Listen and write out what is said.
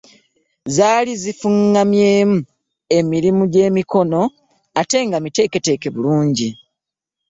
Zali zifungamyemu emirimu egy'emikono ate nga miteeketeeke bulungi.